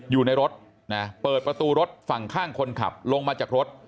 อยู่ในรถนะเปิดประตูรถฝั่งข้างคนขับลงมาจากรถ